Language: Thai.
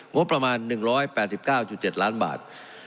งบประมาณ๑๘๙๗ล้านบาท